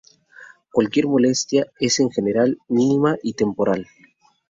Cualquier molestia es en general mínima y temporal.